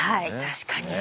確かに。